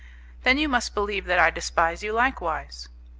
Then you must believe that I despise you likewise?"